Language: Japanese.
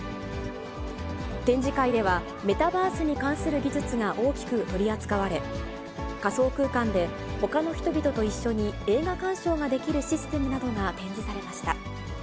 展示会では、メタバースに関する技術が大きく取り扱われ、仮想空間でほかの人々と一緒に映画鑑賞ができるシステムなどが展示されました。